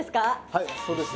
はいそうです。